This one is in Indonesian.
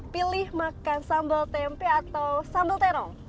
pilih makan sambal tempe atau sambal terong